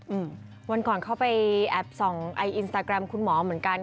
อืมวันก่อนเข้าไปแอบส่องไออินสตาแกรมคุณหมอเหมือนกัน